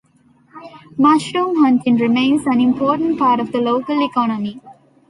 Mushroom hunting remains an important part of the local economy.